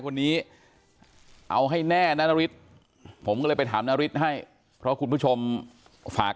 คนนี้เอาให้แน่นะนาริสผมก็เลยไปถามนาริสให้เพราะคุณผู้ชมฝาก